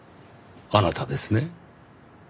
あなたですね？